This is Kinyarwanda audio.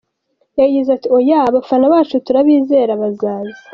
Yagize ati “Oya, abafana bacu turabizera, bazaza !”.